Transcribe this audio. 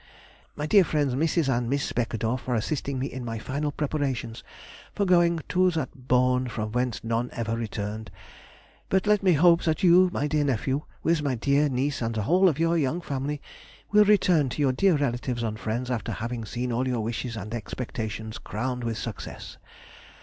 _] My dear friends, Mrs. and Miss Beckedorff, are assisting me in my final preparations for going to that bourn from whence none ever returned, but let me hope that you, my dear nephew, with my dear niece and the whole of your young family, will return to your dear relatives and friends after having seen all your wishes and expectations crowned with success.